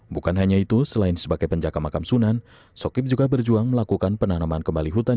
bukan hanya itu selain sebagai penjaga makam sunan sokib juga berjuang melakukan penanaman kembali hutan